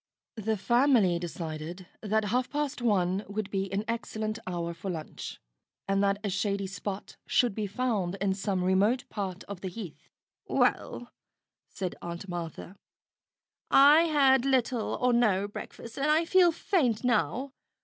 The family decided that half past one would be an excellent hour for lunch, and that a shady spot should be found in some remote part of the Heath. "Well," said Aunt Martha, "I had little or no breakfast, and I feel faint now.